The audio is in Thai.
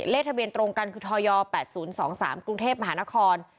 เลขทะเบียนตรงกันคือทย๘๐๒๓กรุงเทพมหานคร